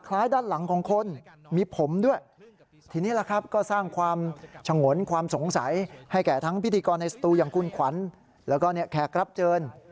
แล้วก็มีพิธีกรในสตูอย่างคุณขวัญแล้วก็แขกรับเจิญ